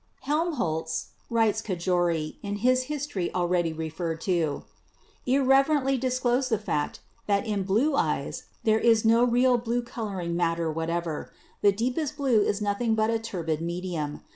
"Helmholtz," writes Cajori in his history already referred to, "irreverently disclosed the fact that in blue eyes there is no real blue coloring matter whatever; the deepest blue is nothing but a turbid medium.